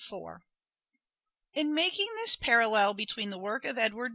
(143) Shake In making this parallel between the work of Edward